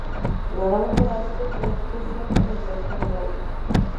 Nada volverá a repetir la expresión en el rostro de Brian".